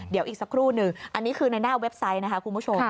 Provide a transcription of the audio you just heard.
เดี๋ยวอีกสักครู่หนึ่งอันนี้คือในหน้าเว็บไซต์นะคะคุณผู้ชม